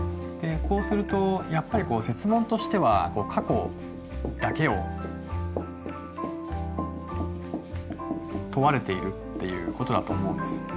こうするとやっぱりこう設問としては過去だけを問われているっていうことだと思うんです。